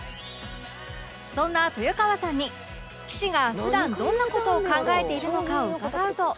そんな豊川さんに棋士が普段どんな事を考えているのか伺うと